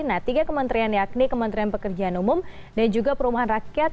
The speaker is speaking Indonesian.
nah tiga kementerian yakni kementerian pekerjaan umum dan juga perumahan rakyat